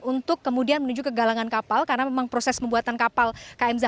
untuk kemudian menuju ke galangan kapal karena memang proses pembuatan kapal km zahra ini ada di pulau tidung